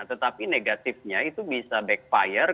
tetapi negatifnya itu bisa backfire